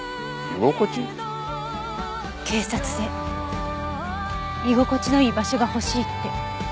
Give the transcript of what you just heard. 「警察で居心地のいい場所が欲しい」って。